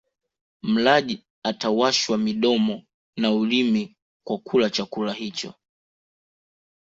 Mlaji atawashwa midomo na ulimi kwa kula chakula hicho